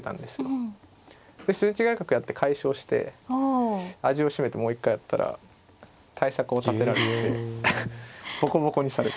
で筋違い角やって快勝して味を占めてもう一回やったら対策を立てられててボコボコにされて。